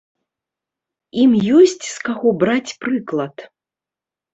Ім ёсць з каго браць прыклад.